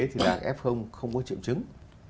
thì là f không có triệu chứng